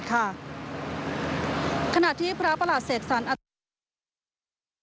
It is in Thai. ขณะที่พระประหลาดเศรษฐานอาทิตย์